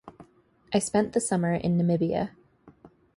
I spent the summer in Namibia.